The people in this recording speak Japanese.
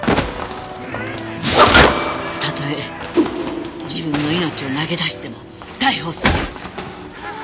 「たとえ自分の命を投げ出しても逮捕する」